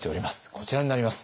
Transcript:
こちらになります。